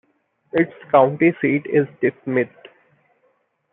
Its county seat is De Smet.